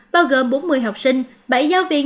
bao gồm bốn mươi học sinh bảy giáo viên